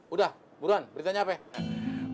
udah buron beritanya apa ya